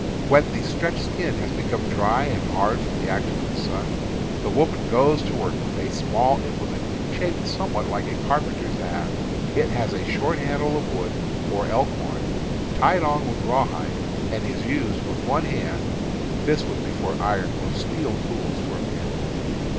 When the stretched skin has become dry and hard from the action of the sun, the woman goes to work with a small implement shaped somewhat like a carpenter's adze; it has a short handle of wood or elkhorn, tied on with rawhide, and is used with one hand [this was before iron or steel tools were ob tainable].